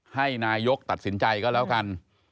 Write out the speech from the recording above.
ให้นายกตัดสินใจก็แล้วกัน